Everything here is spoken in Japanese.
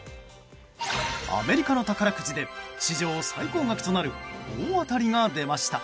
アメリカの宝くじで史上最高額となる大当たりが出ました。